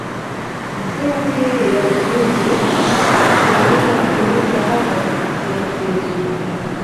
Misingi ya ujuzi kuandika kufundishwa hapa kupitia prism